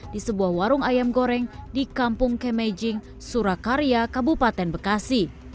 di sebuah warung ayam goreng di kampung kemejing surakarya kabupaten bekasi